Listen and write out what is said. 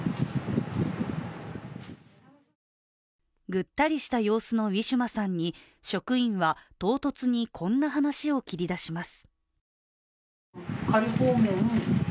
ぐったりした様子のウィシュマさんに職員は、唐突にこんな話を切り出します。